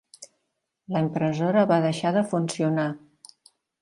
La impressora va deixar de funcionar.